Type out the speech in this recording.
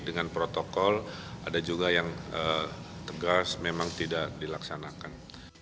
dengan protokol ada juga yang tegas memang tidak dilaksanakan